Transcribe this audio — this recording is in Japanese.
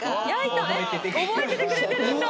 ⁉覚えててくれてるんだ！